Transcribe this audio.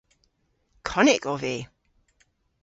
Konnyk ov vy.